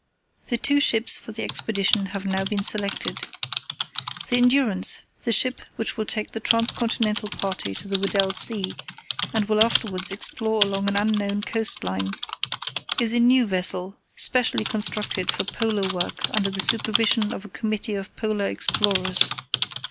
_ "The two ships for the Expedition have now been selected. "The Endurance, the ship which will take the Trans continental party to the Weddell Sea, and will afterwards explore along an unknown coast line, is a new vessel, specially constructed for Polar work under the supervision of a committee of Polar explorers.